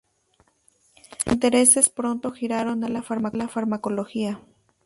Sus intereses pronto giraron a la farmacología.